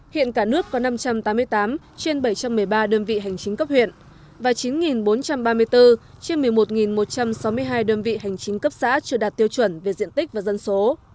hiện cả nước có năm trăm tám mươi tám trên bảy trăm một mươi ba đơn vị hành chính cấp huyện và chín bốn trăm ba mươi bốn trên một mươi một một trăm sáu mươi hai đơn vị hành chính cấp xã chưa đạt tiêu chuẩn về diện tích và dân số